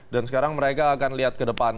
dan sekarang mereka akan lihat ke depan